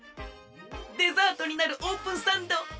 デザートになるオープンサンドええね！